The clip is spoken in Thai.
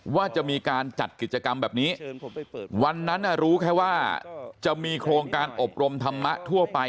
ว่าจะมีการจัดกิจกรรมแบบนี้วันนั้นรู้แค่ว่าจะมีโครงการอบรมธรรมะทั่วไป